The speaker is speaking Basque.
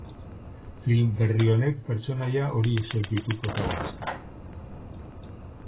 Film berri honek pertsonaia horiexek ditu protagonista.